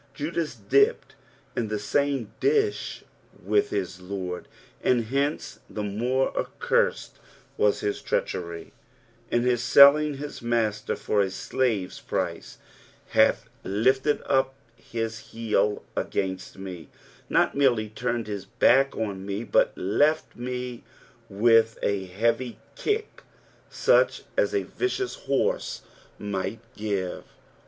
Judos dipped in the same dish with his Lord, and hence the more accursed wns his treachery in his selling his Master for a slave's price. " Bali lifted tip his keel agaioMt me." Not merely turned his back on me, but left me with a heavy kick such as u vicious horse might give.